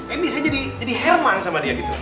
ini saya jadi herman sama dia gitu